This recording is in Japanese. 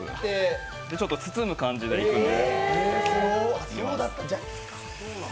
ちょっと包む感じでいくんで。